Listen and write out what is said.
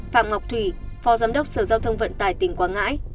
phạm ngọc thủy phó giám đốc sở giao thông vận tải tỉnh quảng ngãi